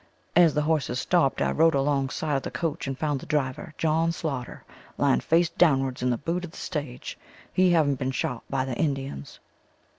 As the horses stopped I rode along side of the coach and found the driver John Slaughter, lying face downwards in the boot of the stage, he having been shot by the Indians.